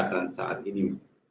dan saat ini